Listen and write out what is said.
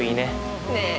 ねえ